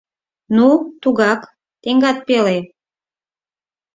Ну, тугак, теҥгат пеле...